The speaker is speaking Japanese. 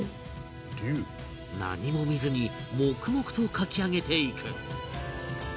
何も見ずに黙々と描き上げていく